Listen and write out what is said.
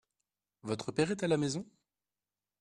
Votre père est à la maison ?